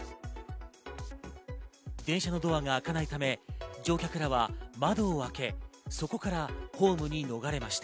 電車のドアが開かないため、乗客らは窓を開け、そこからホームに逃れました。